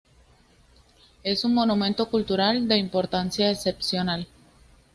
Es un monumento cultural de importancia excepcional.